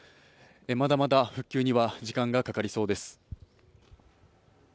まだまだ復旧には時間がかかりそうです。